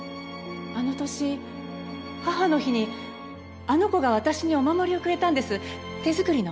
あの年母の日にあの子が私にお守りをくれたんです手作りの。